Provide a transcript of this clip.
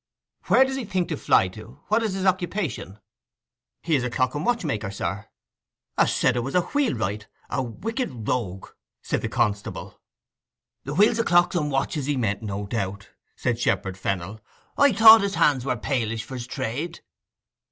'Where does he think to fly to?—what is his occupation?' 'He's a watch and clock maker, sir.' ''A said 'a was a wheelwright—a wicked rogue,' said the constable. 'The wheels of clocks and watches he meant, no doubt,' said Shepherd Fennel. 'I thought his hands were palish for's trade.